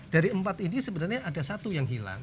dari empat ini sebenarnya ada satu yang hilang